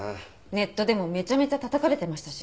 ネットでもめちゃめちゃたたかれてましたし。